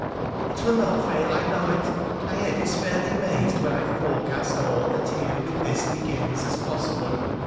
' It will not fail, I know it ! My head is fairly mazed when I forecast all that here with this begins as possible.